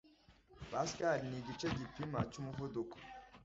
Pascal nigice gipima cyumuvuduko